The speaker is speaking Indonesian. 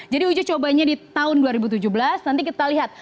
jadi ujian cobanya di tahun dua ribu tujuh belas nanti kita lihat